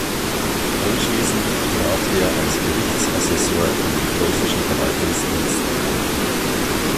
Anschließend trat er als Gerichtsassessor in den preußischen Verwaltungsdienst ein.